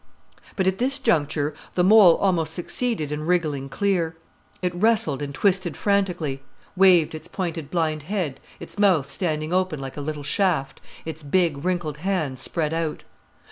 But at this juncture the mole almost succeeded in wriggling clear. It wrestled and twisted frantically, waved its pointed blind head, its mouth standing open like a little shaft, its big, wrinkled hands spread out.